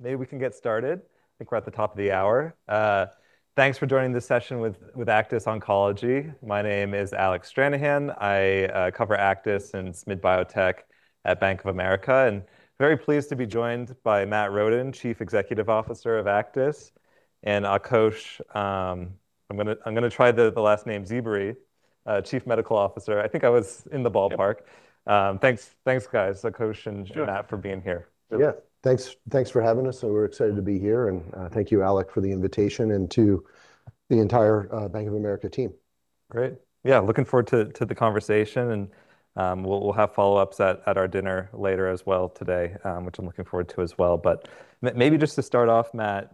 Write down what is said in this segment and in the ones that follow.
Maybe we can get started. I think we're at the top of the hour. Thanks for joining this session with Aktis Oncology. My name is Alec Stranahan. I cover Aktis and Small Biotech at Bank of America, very pleased to be joined by Matthew Roden, Chief Executive Officer of Aktis, and Akos Czibere, Chief Medical Officer. I think I was in the ballpark. Thanks guys, Akos and Matthew for being here. Yeah. Thanks for having us. We're excited to be here, and thank you Alec for the invitation, and to the entire Bank of America team. Great. Yeah, looking forward to the conversation and we'll have follow-ups at our dinner later as well today, which I'm looking forward to as well. Maybe just to start off, Matt,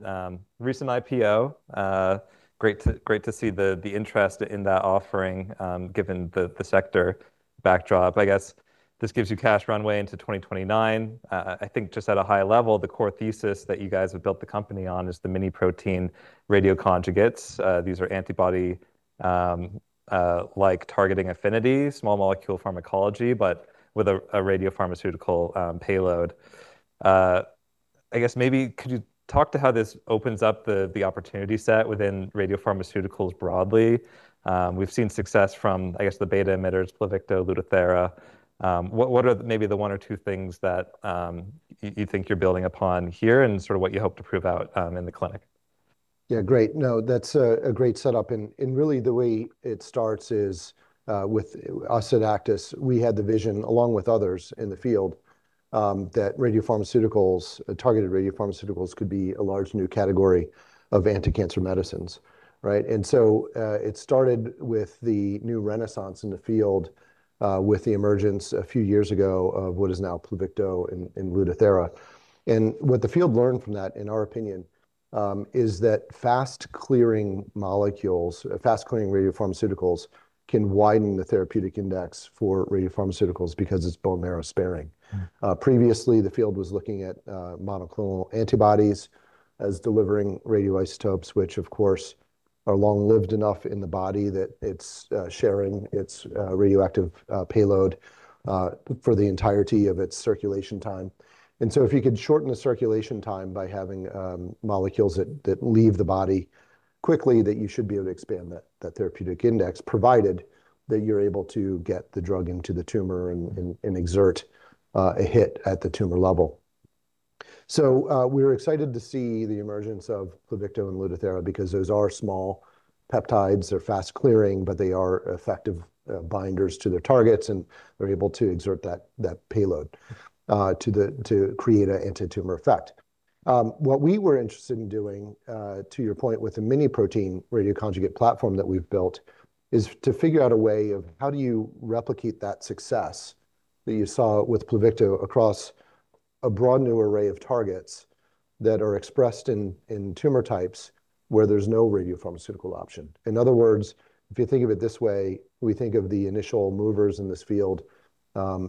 recent IPO, great to see the interest in that offering, given the sector backdrop. I guess this gives you cash runway into 2029. I think just at a high level, the core thesis that you guys have built the company on is the miniprotein radioconjugates. These are antibody like targeting affinity, small molecule pharmacology, but with a radiopharmaceutical payload. I guess maybe could you talk to how this opens up the opportunity set within radiopharmaceuticals broadly? We've seen success from, I guess, the beta emitters, PLUVICTO, LUTATHERA. What are maybe the one or two things that you think you're building upon here and sort of what you hope to prove out in the clinic? Yeah, great. No, that's a great setup, and really the way it starts is with us at Aktis, we had the vision along with others in the field, that radiopharmaceuticals, targeted radiopharmaceuticals could be a large new category of anticancer medicines, right? It started with the new renaissance in the field, with the emergence a few years ago of what is now PLUVICTO and LUTATHERA. What the field learned from that, in our opinion, is that fast clearing molecules, fast clearing radiopharmaceuticals can widen the therapeutic index for radiopharmaceuticals because it's bone marrow sparing. Previously, the field was looking at monoclonal antibodies as delivering radioisotopes, which of course are long lived enough in the body that it's sharing its radioactive payload for the entirety of its circulation time. If you could shorten the circulation time by having molecules that leave the body quickly, you should be able to expand that therapeutic index, provided that you're able to get the drug into the tumor and exert a hit at the tumor level. We're excited to see the emergence of PLUVICTO and LUTATHERA because those are small peptides, they're fast clearing, but they are effective binders to their targets, and they're able to exert that payload to create an anti-tumor effect. What we were interested in doing, to your point, with the miniprotein radioconjugate platform that we've built, is to figure out a way of how do you replicate that success that you saw with PLUVICTO across a broad new array of targets that are expressed in tumor types where there's no radiopharmaceutical option. In other words, if you think of it this way, we think of the initial movers in this field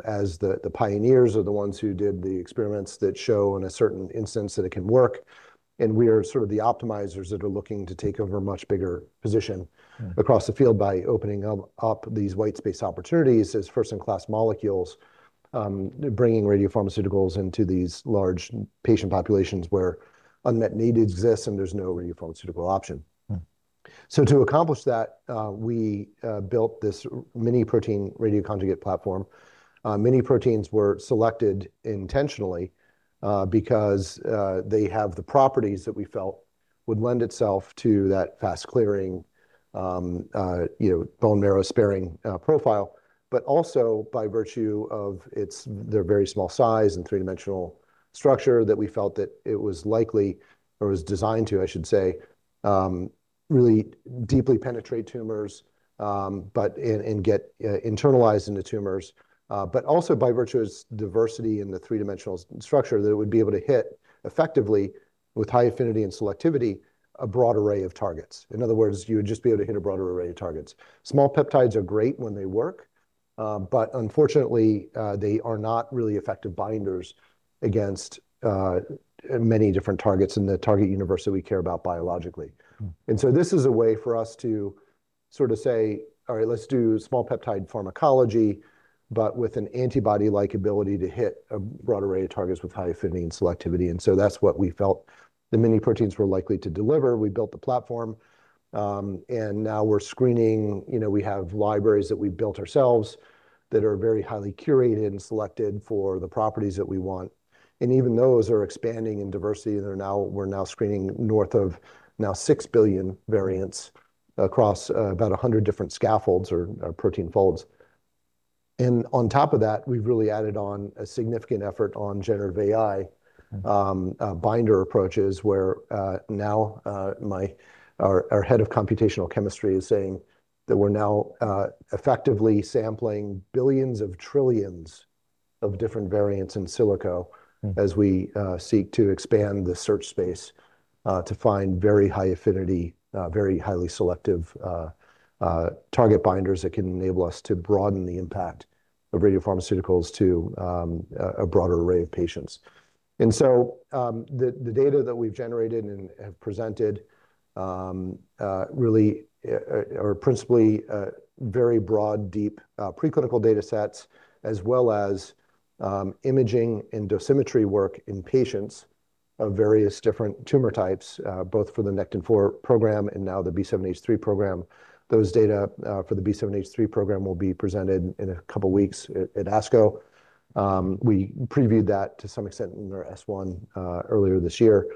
as the pioneers or the ones who did the experiments that show in a certain instance that it can work, and we are sort of the optimizers that are looking to take over a much bigger position across the field by opening up these white space opportunities as first in class molecules, bringing radiopharmaceuticals into these large patient populations where unmet need exists and there's no radiopharmaceutical option. To accomplish that, we built this miniprotein radioconjugate platform. Miniproteins were selected intentionally because they have the properties that we felt would lend itself to that fast clearing, you know, bone marrow sparing profile. Also by virtue of their very small size and three-dimensional structure that we felt that it was likely or was designed to, I should say, really deeply penetrate tumors and get internalized into tumors. Also by virtue of its diversity in the three-dimensional structure, that it would be able to hit effectively with high affinity and selectivity, a broad array of targets. In other words, you would just be able to hit a broader array of targets. Small peptides are great when they work. Unfortunately, they are not really effective binders against many different targets in the target universe that we care about biologically. This is a way for us to sort of say, "All right, let's do small peptide pharmacology, but with an antibody-like ability to hit a broad array of targets with high affinity and selectivity." That's what we felt the miniproteins were likely to deliver. We built the platform. Now we're screening. You know, we have libraries that we built ourselves that are very highly curated and selected for the properties that we want, and even those are expanding in diversity. We're now screening north of 6 billion variants across about 100 different scaffolds or protein folds. On top of that, we've really added on a significant effort on generative AI, binder approaches, where now Our head of computational chemistry is saying that we're now effectively sampling billions of trillions of different variants in silico as we seek to expand the search space to find very high affinity, very highly selective, target binders that can enable us to broaden the impact of radiopharmaceuticals to a broader array of patients. The data that we've generated and have presented really are principally very broad, deep, preclinical data sets, as well as imaging and dosimetry work in patients of various different tumor types, both for the Nectin-4 program and now the B7-H3 program. Those data for the B7-H3 program will be presented in a couple weeks at ASCO. We previewed that to some extent in our S-1 earlier this year.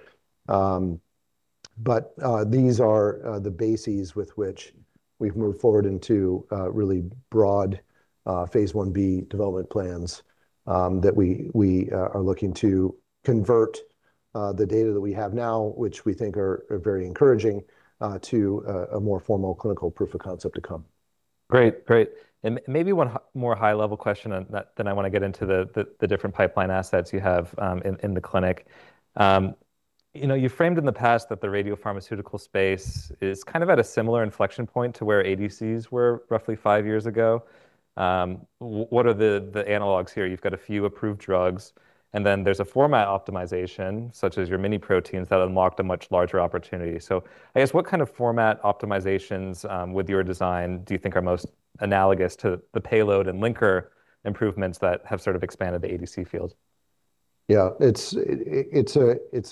These are the bases with which we've moved forward into really broad phase I-B development plans that we are looking to convert the data that we have now, which we think are very encouraging to a more formal clinical proof of concept to come. Great. Great. Maybe one more high level question then I wanna get into the different pipeline assets you have in the clinic. You know, you framed in the past that the radiopharmaceutical space is kind of at a similar inflection point to where ADCs were roughly five years ago. What are the analogs here? You've got a few approved drugs, and then there's a format optimization, such as your miniproteins, that unlocked a much larger opportunity. I guess what kind of format optimizations with your design do you think are most analogous to the payload and linker improvements that have sort of expanded the ADC field? Yeah. It's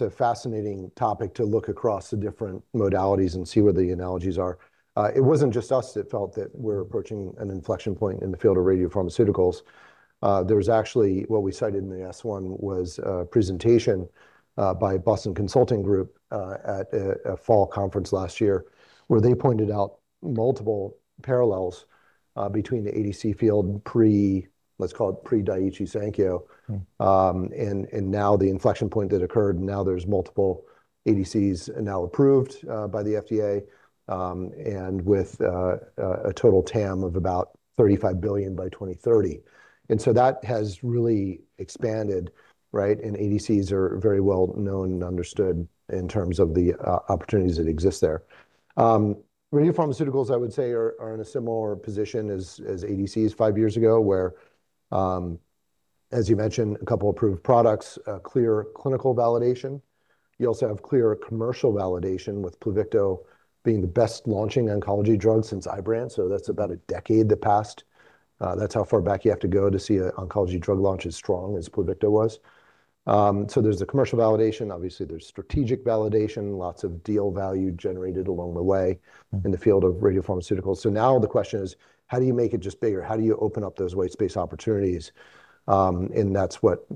a fascinating topic to look across the different modalities and see where the analogies are. It wasn't just us that felt that we're approaching an inflection point in the field of radiopharmaceuticals. There was actually, what we cited in the S-1, was a presentation by Boston Consulting Group at a fall conference last year, where they pointed out multiple parallels between the ADC field pre, let's call it pre Daiichi Sankyo. Now the inflection point that occurred, now there's multiple ADCs now approved by the FDA, and with a total TAM of about $35 billion by 2030. That has really expanded, right? ADCs are very well known and understood in terms of the opportunities that exist there. Radiopharmaceuticals, I would say, are in a similar position as ADCs five years ago, where, as you mentioned, a couple approved products, a clear clinical validation. You also have clear commercial validation with PLUVICTO being the best launching oncology drug since Ibrance, so that's about 10 years that passed. That's how far back you have to go to see a oncology drug launch as strong as PLUVICTO was. So there's the commercial validation. Obviously, there's strategic validation, lots of deal value generated along the way in the field of radiopharmaceuticals. Now the question is, how do you make it just bigger? How do you open up those white space opportunities? That's what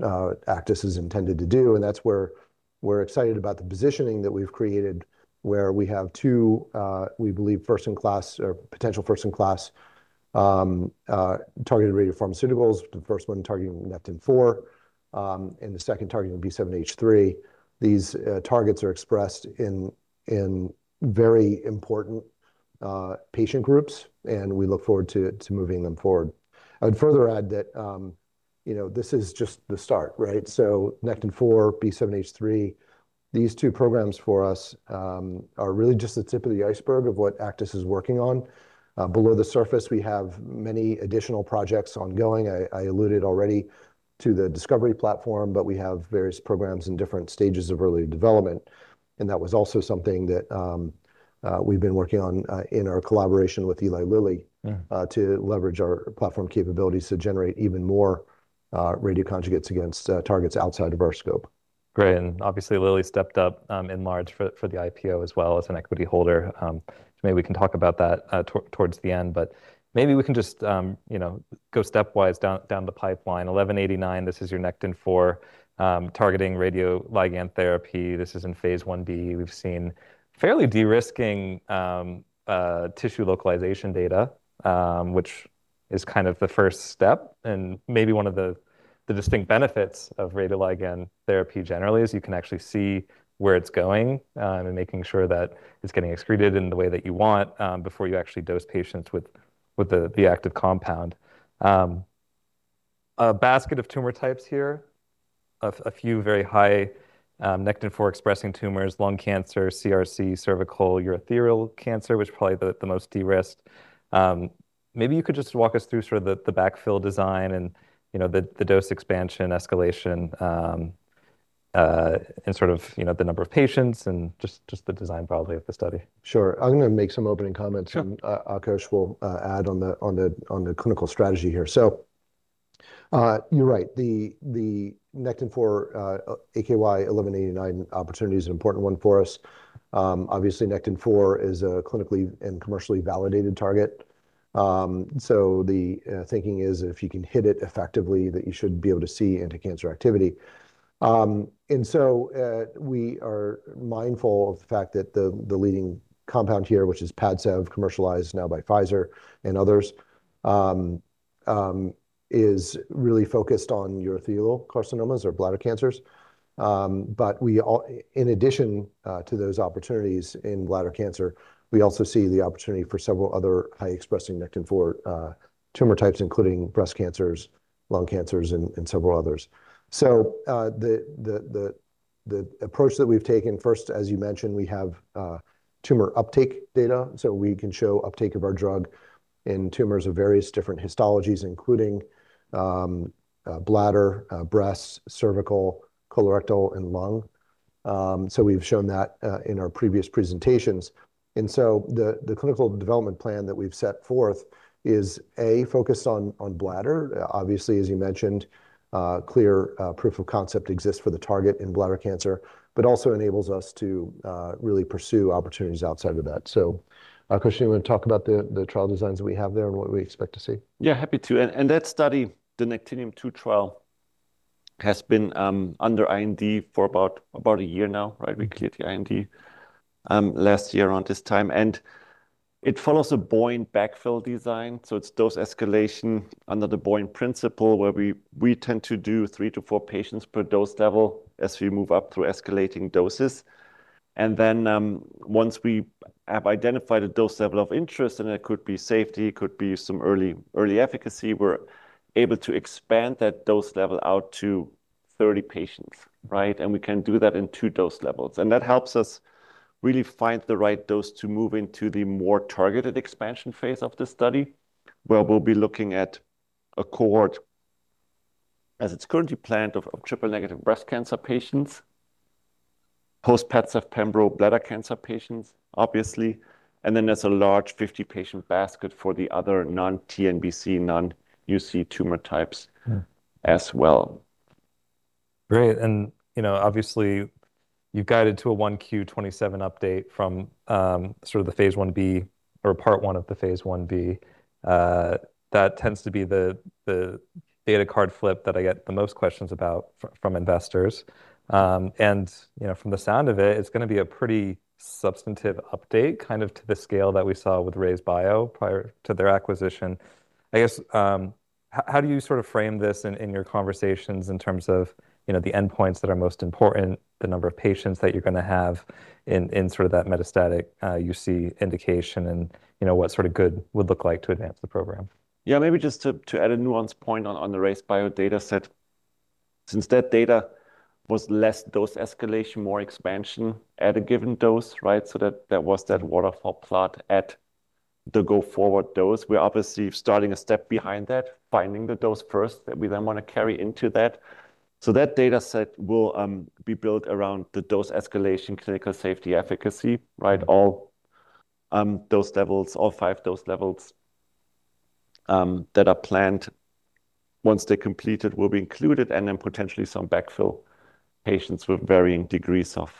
Aktis is intended to do, and that's where we're excited about the positioning that we've created, where we have two, we believe first in class or potential first in class, targeted radiopharmaceuticals, the first one targeting Nectin-4, and the second targeting B7-H3. These targets are expressed in very important patient groups, and we look forward to moving them forward. I would further add that, you know, this is just the start, right? Nectin-4, B7-H3, these two programs for us, are really just the tip of the iceberg of what Aktis is working on. Below the surface, we have many additional projects ongoing. I alluded already to the discovery platform, but we have various programs in different stages of early development, and that was also something that we've been working on in our collaboration with Eli Lilly. To leverage our platform capabilities to generate even more radioconjugates against targets outside of our scope. Great. Obviously, Lilly stepped up in large for the IPO as well as an equity holder. Maybe we can talk about that towards the end, but maybe we can just, you know, go stepwise down the pipeline. AKY-1189, this is your Nectin-4 targeting radioligand therapy. This is in phase I-B. We've seen fairly de-risking tissue localization data, which is kind of the first step, and maybe one of the distinct benefits of radioligand therapy generally is you can actually see where it's going and making sure that it's getting excreted in the way that you want before you actually dose patients with the active compound. A basket of tumor types here of a few very high, Nectin-4 expressing tumors, lung cancer, CRC, cervical, urothelial cancer, which is probably the most de-risked. Maybe you could just walk us through sort of the backfill design and, you know, the dose expansion, escalation, and sort of, you know, the number of patients and just the design broadly of the study. Sure. I'm gonna make some opening comments. Sure Akos will add on the clinical strategy here. You're right. The Nectin-4 AKY-1189 opportunity is an important one for us. Obviously, Nectin-4 is a clinically and commercially validated target. The thinking is if you can hit it effectively, that you should be able to see anticancer activity. We are mindful of the fact that the leading compound here, which is Padcev, commercialized now by Pfizer and others, is really focused on urothelial carcinomas or bladder cancers. In addition to those opportunities in bladder cancer, we also see the opportunity for several other high-expressing Nectin-4 tumor types, including breast cancers, lung cancers, and several others. The approach that we've taken, first, as you mentioned, we have tumor uptake data, so we can show uptake of our drug in tumors of various different histologies, including bladder, breast, cervical, colorectal, and lung. We've shown that in our previous presentations. The clinical development plan that we've set forth is, A, focused on bladder. Obviously, as you mentioned, clear proof of concept exists for the target in bladder cancer, but also enables us to really pursue opportunities outside of that. Akos, you wanna talk about the trial designs that we have there and what we expect to see? Yeah, happy to. That study, the NECTINIUM-2 trial, has been under IND for about onw year now, right? We cleared the IND last year around this time. It follows a Bayesian backfill design, so it's dose escalation under the Bayesian principle, where we tend to do three to four patients per dose level as we move up through escalating doses. Once we have identified a dose level of interest, and it could be safety, it could be some early efficacy, we're able to expand that dose level out to 30 patients, right? We can do that in two dose levels. That helps us really find the right dose to move into the more targeted expansion phase of the study, where we'll be looking at a cohort, as it's currently planned, of triple negative breast cancer patients, post-Padcev pembro bladder cancer patients, obviously, and then there's a large 50-patient basket for the other non-TNBC, non-UC tumor types as well. Great. You know, obviously you've guided to a 1Q27 update from sort of the phase I-B or Part 1 of the phase I-B. That tends to be the data card flip that I get the most questions about from investors. You know, from the sound of it's gonna be a pretty substantive update, kind of to the scale that we saw with RayzeBio prior to their acquisition. I guess, how do you sort of frame this in your conversations in terms of, you know, the endpoints that are most important, the number of patients that you're gonna have in sort of that metastatic UC indication and, you know, what sort of good would look like to advance the program? Yeah. Maybe just to add a nuanced point on the RayzeBio data set, since that data was less dose escalation, more expansion at a given dose, right? That was that waterfall plot at the go forward dose. We're obviously starting a step behind that, finding the dose first that we then wanna carry into that. That data set will be built around the dose escalation, clinical safety efficacy, right? All dose levels, all five dose levels that are planned, once they're completed, will be included and then potentially some backfill patients with varying degrees of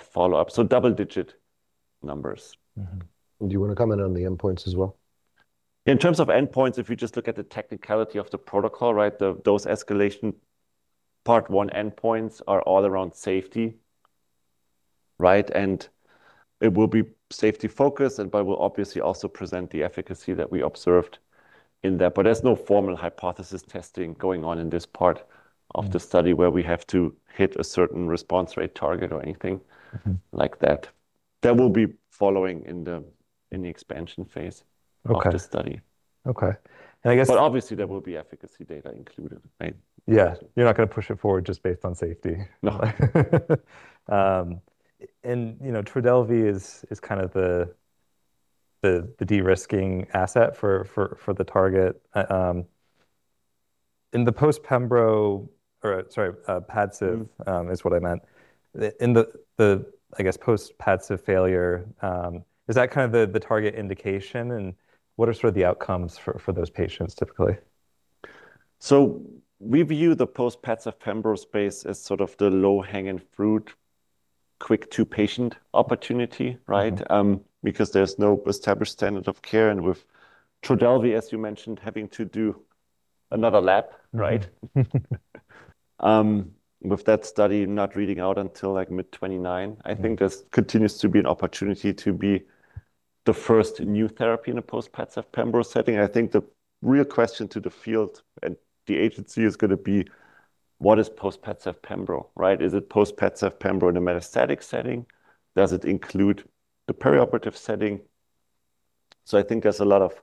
follow-up. Double-digit numbers. Mm-hmm. Do you wanna comment on the endpoints as well? In terms of endpoints, if you just look at the technicality of the protocol, those escalation Part 1 endpoints are all around safety, right? It will be safety focused, but we'll obviously also present the efficacy that we observed in that. There's no formal hypothesis testing going on in this part of the study where we have to hit a certain response rate target or anything like that. That will be following in the expansion phase- Okay of the study. Okay. Obviously there will be efficacy data included, right? Yeah. You're not gonna push it forward just based on safety. No. You know, TRODELVY is kind of the de-risking asset for the target, in the Padcev- is what I meant. In the, I guess, post-Padcev failure, is that kind of the target indication, and what are sort of the outcomes for those patients typically? We view the post-Padcev pembrolizumab space as sort of the low-hanging fruit, quick-to-patient opportunity, right? Because there's no established standard of care, with TRODELVY, as you mentioned, having to do another lap, right? With that study not reading out until like mid 2029. I think this continues to be an opportunity to be the first new therapy in a post-Padcev pembrolizumab setting. I think the real question to the field and the agency is gonna be what is post-Padcev pembrolizumab, right? Is it post-Padcev pembrolizumab in a metastatic setting? Does it include the perioperative setting? I think there's a lot of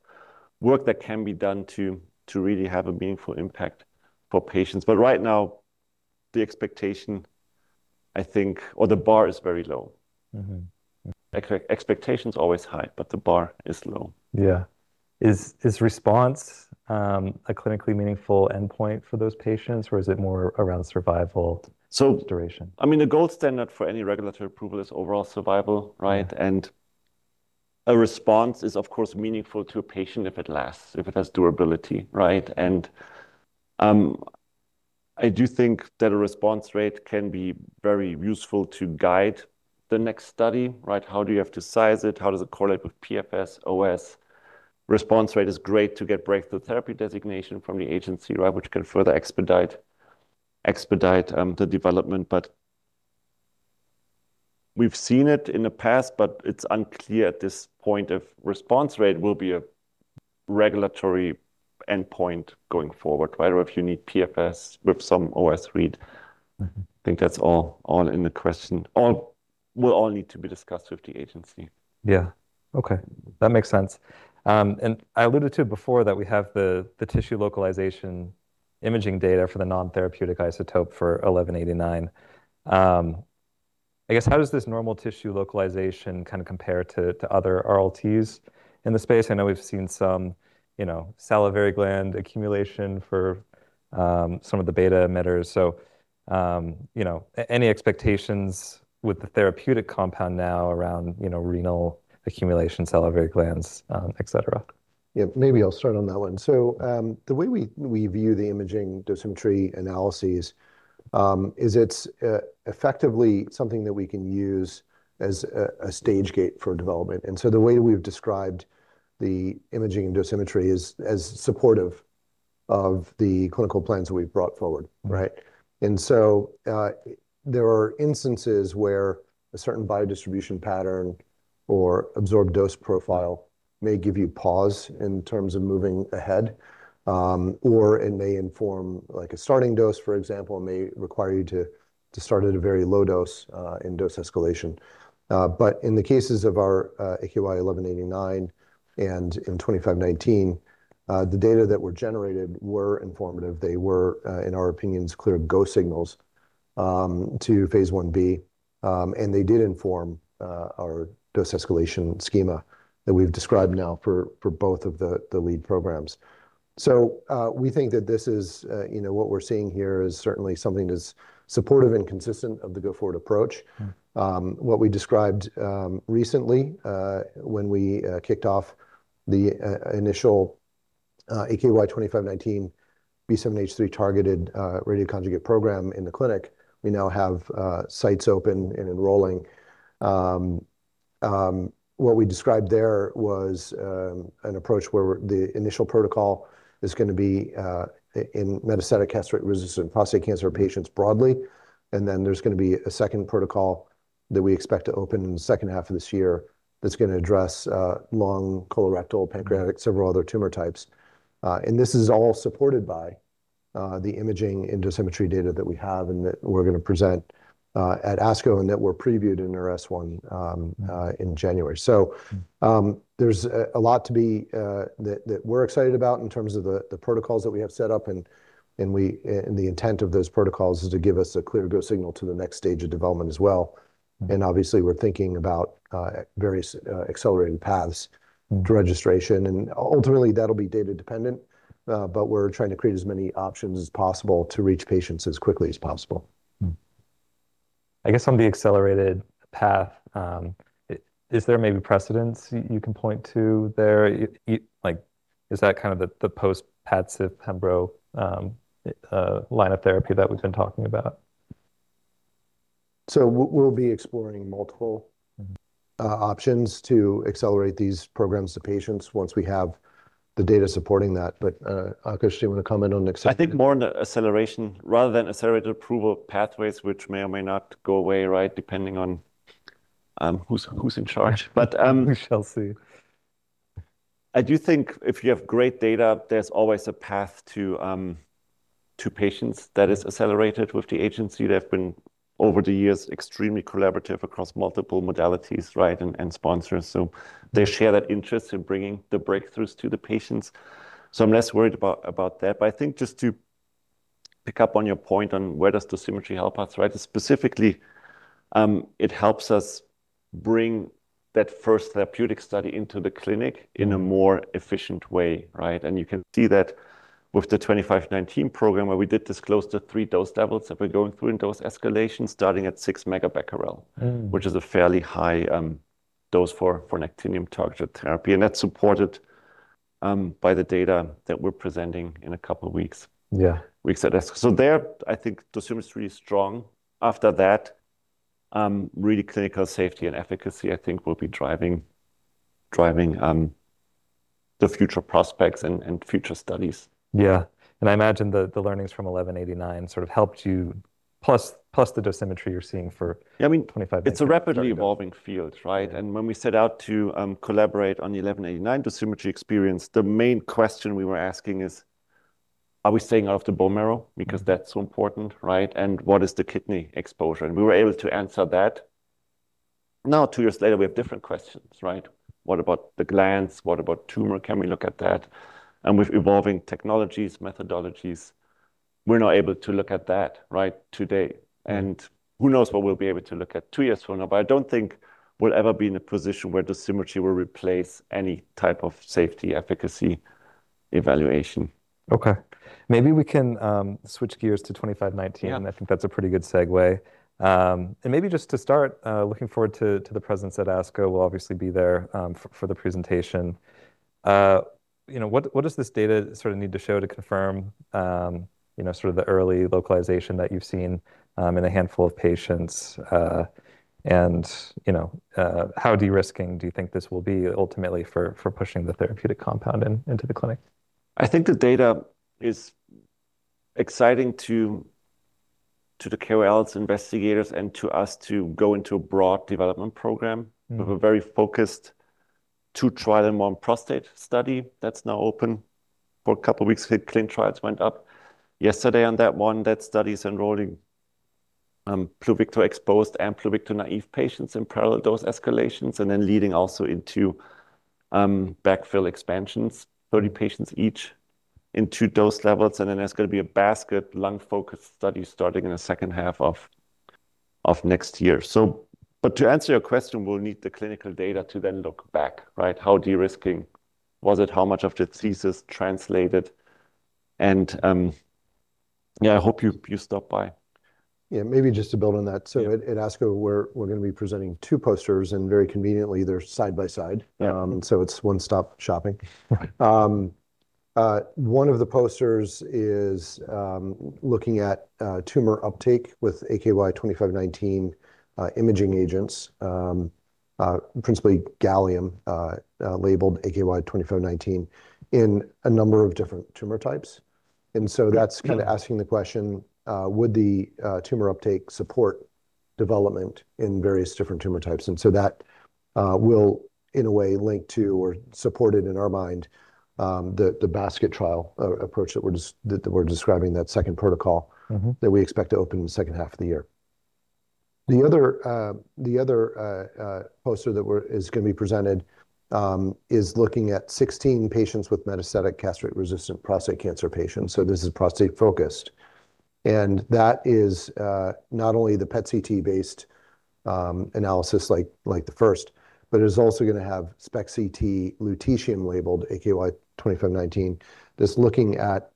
work that can be done to really have a meaningful impact for patients. Right now the expectation, I think or the bar is very low. Expectations are always high, but the bar is low. Yeah. Is response a clinically meaningful endpoint for those patients, or is it more around survival- So- duration? I mean, the gold standard for any regulatory approval is overall survival, right? A response is, of course, meaningful to a patient if it lasts, if it has durability, right? I do think that a response rate can be very useful to guide the next study, right? How do you have to size it? How does it correlate with PFS, OS? Response rate is great to get Breakthrough Therapy designation from the agency, right? Which can further expedite the development, but we've seen it in the past, but it's unclear at this point if response rate will be a regulatory endpoint going forward, right? If you need PFS with some OS read. I think that's all in the question. All will need to be discussed with the agency. Yeah. Okay. That makes sense. I alluded to it before that we have the tissue localization imaging data for the non-therapeutic isotope for AKY-1189. I guess how does this normal tissue localization kind of compare to other RLTs in the space? I know we've seen some, you know, salivary gland accumulation for some of the beta emitters. Any expectations with the therapeutic compound now around, you know, renal accumulation, salivary glands, et cetera? Maybe I'll start on that one. The way we view the imaging dosimetry analyses is effectively something that we can use as a stage gate for development. The way we've described the imaging dosimetry is as supportive of the clinical plans that we've brought forward, right? There are instances where a certain biodistribution pattern or absorbed dose profile may give you pause in terms of moving ahead. Or it may inform like a starting dose, for example, it may require you to start at a very low dose, in dose escalation. But in the cases of our AKY-1189 and in 2519, the data that were generated were informative. They were in our opinions, clear go signals to phase I-B. They did inform our dose escalation schema that we've described now for both of the lead programs. We think that this is, you know, what we're seeing here is certainly something that's supportive and consistent of the go-forward approach. What we described recently, when we kicked off the initial AKY-2519 B7-H3 targeted radioconjugate program in the clinic, we now have sites open and enrolling. What we described there was an approach where the initial protocol is gonna be in metastatic castrate-resistant prostate cancer patients broadly, and then there's gonna be a second protocol that we expect to open in the second half of this year that's gonna address lung, colorectal, pancreatic, several other tumor types. And this is all supported by the imaging and dosimetry data that we have and that we're gonna present at ASCO, and that were previewed in S-1 in January. There's a lot to be that we're excited about in terms of the protocols that we have set up, and the intent of those protocols is to give us a clear go signal to the next stage of development as well. Obviously we're thinking about various accelerating paths to registration, and ultimately that'll be data dependent, but we're trying to create as many options as possible to reach patients as quickly as possible. I guess on the accelerated path, is there maybe precedence you can point to there, like is that kind of the post-Padcev pembro line of therapy that we've been talking about? We'll be exploring multiple options to accelerate these programs to patients once we have the data supporting that. Akos, do you wanna comment? I think more on the acceleration rather than accelerated approval pathways, which may or may not go away, right? Depending on who's in charge. We shall see. I do think if you have great data, there's always a path to patients that is accelerated with the agency. They have been, over the years, extremely collaborative across multiple modalities, right, and sponsors. They share that interest in bringing the breakthroughs to the patients, so I'm less worried about that. I think just to pick up on your point on where does dosimetry help us, right? Specifically, it helps us bring that first therapeutic study into the clinic in a more efficient way, right? You can see that with the AKY-2519 program where we did this close to three dose levels that we're going through in dose escalation, starting at 6 megabecquerel. Which is a fairly high dose for actinium targeted therapy, and that's supported by the data that we're presenting in a couple weeks. Yeah. Weeks at ASCO. There, I think dosimetry is really strong. After that, really clinical safety and efficacy I think will be driving the future prospects and future studies. Yeah. I imagine the learnings from AKY-1189 sort of helped you, plus the dosimetry you're seeing for. Yeah. AKY-2519 It's a rapidly evolving field, right? When we set out to collaborate on the AKY-1189 dosimetry experience, the main question we were asking is, are we staying out of the bone marrow? Because that's so important, right? What is the kidney exposure? We were able to answer that. Now, two years later, we have different questions, right? What about the glands? What about tumor? Can we look at that? With evolving technologies, methodologies, we're now able to look at that, right, today. Who knows what we'll be able to look at two years from now? I don't think we'll ever be in a position where dosimetry will replace any type of safety efficacy evaluation. Okay. Maybe we can switch gears to AKY-2519. Yeah. I think that's a pretty good segue. Maybe just to start, looking forward to the presence at ASCO. We'll obviously be there for the presentation. You know, what does this data sort of need to show to confirm, you know, sort of the early localization that you've seen in a handful of patients? You know, how de-risking do you think this will be ultimately for pushing the therapeutic compound into the clinic? I think the data is exciting to the KOLs investigators and to us to go into a broad development program. We were very focused two trial in one prostate study that's now open for a couple weeks. ClinicalTrials went up yesterday on that one. That study is enrolling, PLUVICTO-exposed and PLUVICTO-naive patients in parallel dose escalations, and then leading also into backfill expansions, 30 patients each in two dose levels, and then there's gonna be a basket lung-focused study starting in the second half of next year. But to answer your question, we'll need the clinical data to then look back, right? How de-risking was it? How much of the thesis translated? Yeah, I hope you stop by. Yeah, maybe just to build on that. Yeah. At ASCO we're gonna be presenting two posters, and very conveniently they're side by side. Yeah. It's one-stop shopping. One of the posters is looking at tumor uptake with AKY-2519 imaging agents principally gallium labeled AKY-2519 in a number of different tumor types Yeah -kind of asking the question, would the tumor uptake support development in various different tumor types? That will in a way link to or support it in our mind, the basket trial approach that we're describing, that second protocol. That we expect to open the second half of the year. The other poster that is gonna be presented is looking at 16 patients with metastatic castrate-resistant prostate cancer patients, so this is prostate focused. That is not only the PET CT based analysis like the first, but is also gonna have SPECT CT lutetium labeled AKY-2519, that's looking at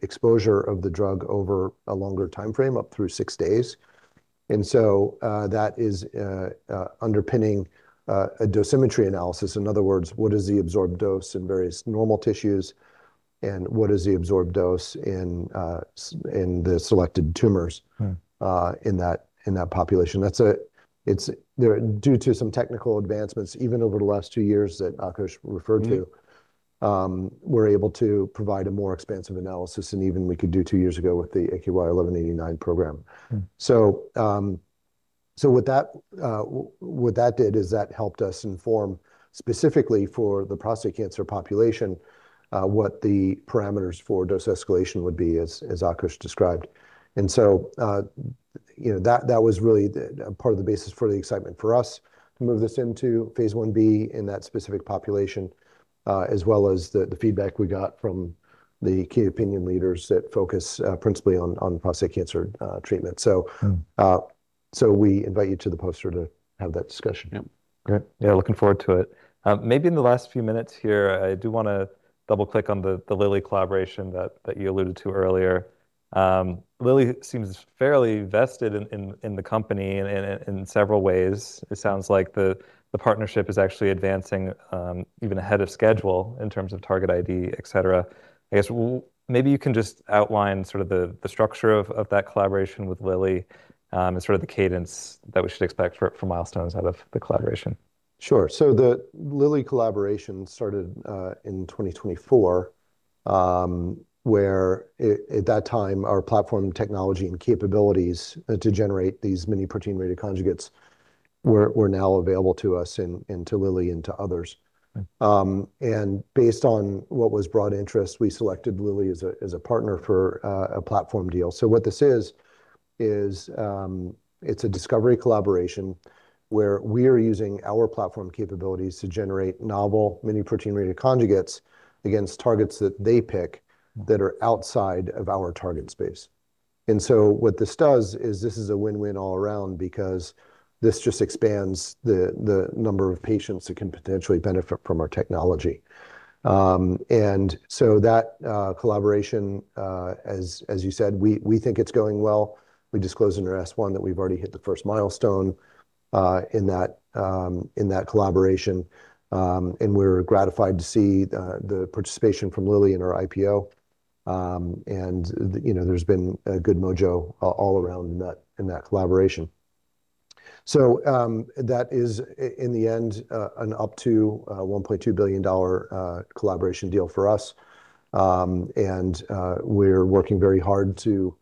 exposure of the drug over a longer timeframe, up through six days. That is underpinning a dosimetry analysis. In other words, what is the absorbed dose in various normal tissues, and what is the absorbed dose in the selected tumors. In that population. That's, they're due to some technical advancements, even over the last two years that Akos referred to. We're able to provide a more expansive analysis than even we could do two years ago with the AKY-1189 program. What that did is that helped us inform specifically for the prostate cancer population, what the parameters for dose escalation would be as Akos Czibere described. You know, that was really the part of the basis for the excitement for us to move this into phase I-B in that specific population, as well as the feedback we got from the key opinion leaders that focus principally on prostate cancer treatment. We invite you to the poster to have that discussion. Yep. Great. Yeah, looking forward to it. Maybe in the last few minutes here, I do wanna double-click on the Lilly collaboration that you alluded to earlier. Lilly seems fairly vested in the company in several ways. It sounds like the partnership is actually advancing even ahead of schedule in terms of target ID, et cetera. I guess maybe you can just outline sort of the structure of that collaboration with Lilly and sort of the cadence that we should expect for milestones out of the collaboration. Sure. The Lilly collaboration started in 2024, where at that time our platform technology and capabilities to generate these miniprotein radioconjugates were now available to us and to Lilly, and to others. Right. Based on what was broad interest, we selected Lilly as a partner for a platform deal. What this is, it's a discovery collaboration where we are using our platform capabilities to generate novel miniprotein radioconjugates against targets that they pick that are outside of our target space. What this does is this is a win-win all around because this just expands the number of patients that can potentially benefit from our technology. That collaboration, as you said, we think it's going well. We disclosed in our S-1 that we've already hit the first milestone in that collaboration. We're gratified to see the participation from Lilly in our IPO. You know, there's been a good mojo all around in that, in that collaboration. That is in the end an up to $1.2 billion collaboration deal for us. We're working very hard to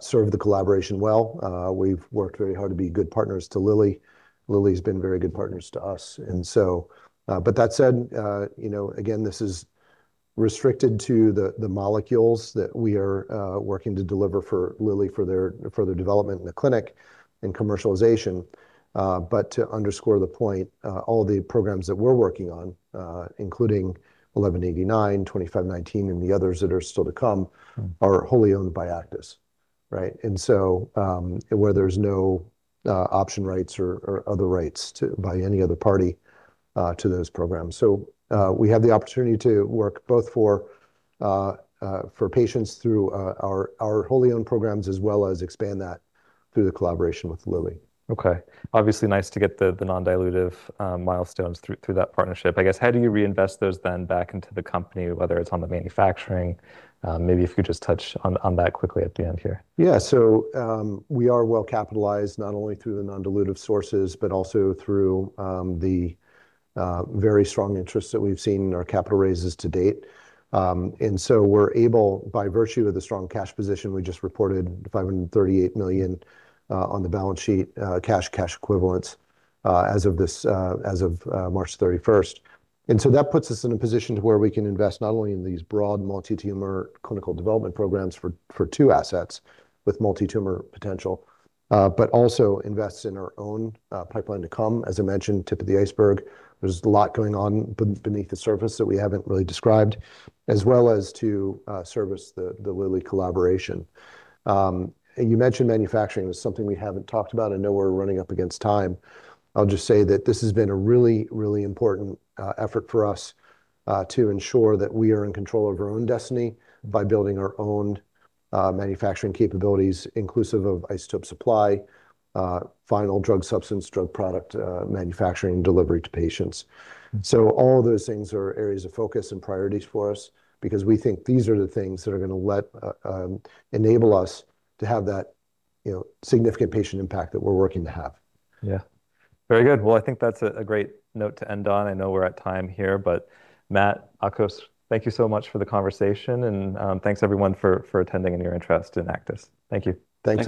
serve the collaboration well. We've worked very hard to be good partners to Lilly. Lilly's been very good partners to us. That said, you know, again, this is restricted to the molecules that we are working to deliver for Lilly for their development in the clinic and commercialization. To underscore the point, all the programs that we're working on, including AKY-1189, AKY-2519, and the others that are still to come are wholly owned by Aktis, right? Where there's no option rights or other rights to, by any other party, to those programs. We have the opportunity to work both for patients through our wholly owned programs, as well as expand that through the collaboration with Lilly. Okay. Obviously nice to get the non-dilutive milestones through that partnership. I guess, how do you reinvest those then back into the company, whether it's on the manufacturing? Maybe if you could just touch on that quickly at the end here. Yeah. We are well capitalized, not only through the non-dilutive sources, but also through the very strong interest that we've seen in our capital raises to date. We're able by virtue of the strong cash position, we just reported $538 million on the balance sheet, cash equivalents as of March 31st. That puts us in a position to where we can invest not only in these broad multi-tumor clinical development programs for two assets with multi-tumor potential, but also invest in our own pipeline to come. As I mentioned, tip of the iceberg. There's a lot going on beneath the surface that we haven't really described, as well as to service the Lilly collaboration. You mentioned manufacturing. That's something we haven't talked about. I know we're running up against time. I'll just say that this has been a really, really important effort for us to ensure that we are in control of our own destiny by building our own manufacturing capabilities inclusive of isotope supply, final drug substance, drug product manufacturing, delivery to patients. All those things are areas of focus and priorities for us because we think these are the things are gonna enable us to have that, you know, significant patient impact that we're working to have. Yeah. Very good. Well, I think that's a great note to end on. I know we're at time here, but Matt, Akos, thank you so much for the conversation and thanks everyone for attending and your interest in Aktis. Thank you. Thank you.